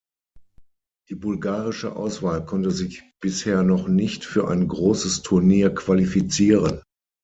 Die bulgarische Auswahl konnte sich bisher noch nicht für ein großes Turnier qualifizieren.